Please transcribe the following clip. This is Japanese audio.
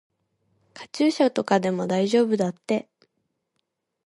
カチューシャとかでも大丈夫だって。